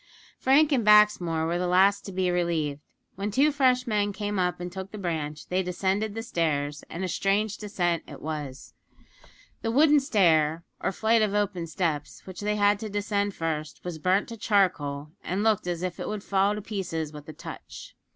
Frank and Baxmore were the last to be relieved. When two fresh men came up and took the branch they descended the stairs, and a strange descent it was. The wooden stair, or flight of open steps, which they had to descend first, was burnt to charcoal, and looked as if it would fall to pieces with a touch.